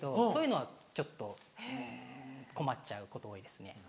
そういうのはちょっと困っちゃうこと多いですね。